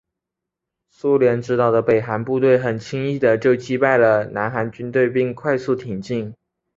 苏联指导的北韩部队很轻易的就击败南韩军队并快速挺进。